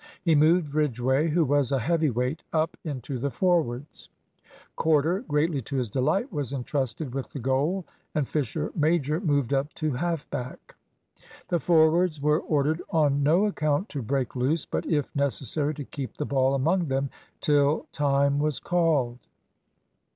He moved Ridgway, who was a heavy weight, up into the forwards. Corder, greatly to his delight, was entrusted with the goal, and Fisher major moved up to half back. The forwards were ordered on no account to break loose, but if necessary to keep the ball among them till time was called.